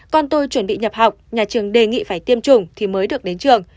con tôi chuẩn bị nhập học nhà trường đề nghị phải tiêm chủng thì mới được đến trường